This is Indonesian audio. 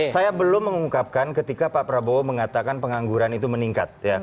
saya belum mengungkapkan ketika pak prabowo mengatakan pengangguran itu meningkat